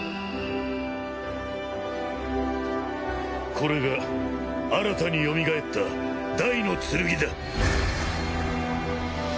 これが新たによみがえったダイの剣だ。